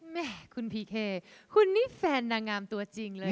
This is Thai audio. แม่คุณพีเคคุณนี่แฟนนางงามตัวจริงเลย